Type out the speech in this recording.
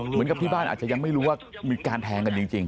เหมือนกับที่บ้านอาจจะยังไม่รู้ว่ามีการแทงกันจริง